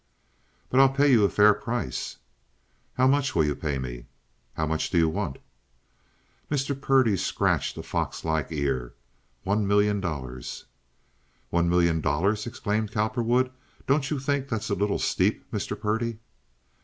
"But I'll pay you a fair price." "How much will you pay me?" "How much do you want?" Mr. Purdy scratched a fox like ear. "One million dollars." "One million dollars!" exclaimed Cowperwood. "Don't you think that's a little steep, Mr. Purdy?"